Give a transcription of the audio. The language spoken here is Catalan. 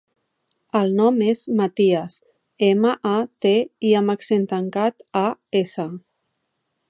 El nom és Matías: ema, a, te, i amb accent tancat, a, essa.